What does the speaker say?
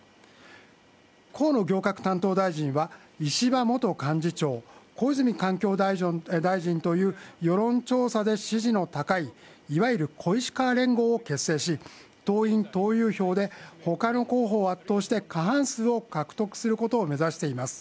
河野行革担当大臣は石破元幹事長、小泉環境大臣という世論調査で支持の高い小石河連合を結成し党員・党友票で他の候補を圧倒して過半数を獲得することを目指しています。